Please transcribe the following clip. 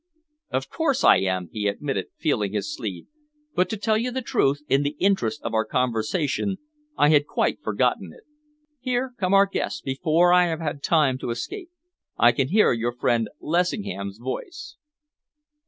"Of course I am," he admitted, feeling his sleeve, "but to tell you the truth, in the interest of our conversation I had quite forgotten it. Here come our guests, before I have had time to escape. I can hear your friend Lessingham's voice."